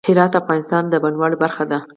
هرات د افغانستان د بڼوالۍ برخه ده.